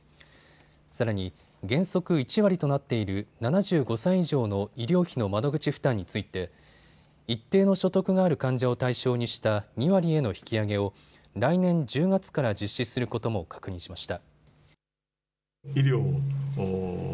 さらに原則１割となっている７５歳以上の医療費の窓口負担について一定の所得がある患者を対象にした２割への引き上げを来年１０月から実施することも確認しました。